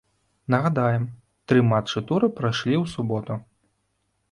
Нагадаем, тры матчы тура прайшлі ў суботу.